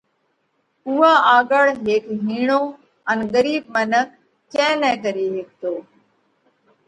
اُوئا آڳۯ هيڪ هِيڻو ان ڳرِيٻ منک ڪئين نه ڪري هيڪتو۔